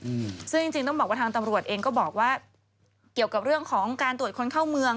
อืมซึ่งจริงจริงต้องบอกว่าทางตำรวจเองก็บอกว่าเกี่ยวกับเรื่องของการตรวจคนเข้าเมือง